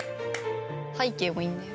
背景もいいんだよ。